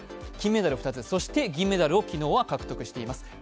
金メダル２つ、そして銀メダルを昨日、獲得しています。